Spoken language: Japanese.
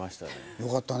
よかったね。